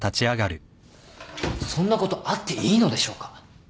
そんなことあっていいのでしょうか？